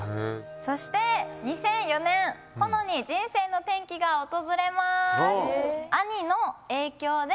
そして２００４年保乃に人生の転機が訪れます。